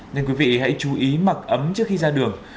nên quý vị hãy chú ý mặc ấm trước khi ra đường